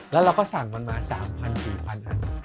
แล้วเราก็สั่งกันมา๓๐๐๔๐๐อัน